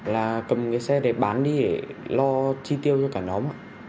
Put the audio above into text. là cầm cái xe để bán đi để lo chi tiêu cho cả nhóm mà